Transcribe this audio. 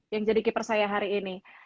yang jadi keeper saya hari ini